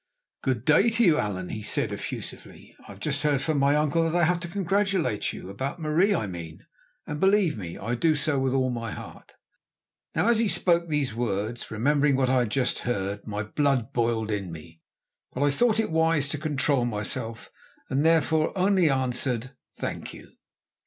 "Good day to you, Allan," he said effusively. "I have just heard from my uncle that I have to congratulate you, about Marie I mean, and, believe me, I do so with all my heart." Now, as he spoke these words, remembering what I had just heard, my blood boiled in me, but I thought it wise to control myself, and therefore only answered: "Thank you."